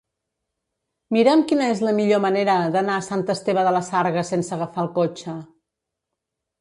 Mira'm quina és la millor manera d'anar a Sant Esteve de la Sarga sense agafar el cotxe.